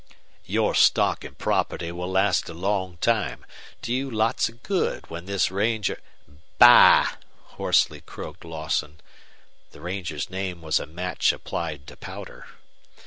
"Your stock and property will last a long time do you lots of good when this ranger " "Bah!" hoarsely croaked Lawson. The ranger's name was a match applied to powder.